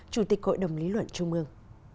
chủ tịch hội đồng lý luận trung mương